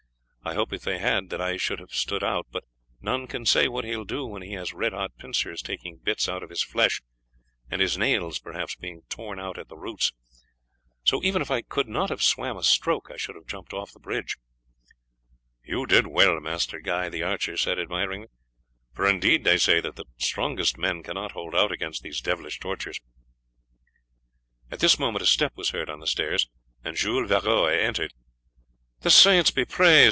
I hope if they had, that I should have stood out; but none can say what he will do when he has red hot pincers taking bits out of his flesh, and his nails, perhaps, being torn out at the roots. So even if I could not have swam a stroke I should have jumped off the bridge." "You did well, Master Guy," the archer said admiringly; "for indeed they say that the strongest man cannot hold out against these devilish tortures." At this moment a step was heard on the stairs, and Jules Varoy entered. "The saints be praised!"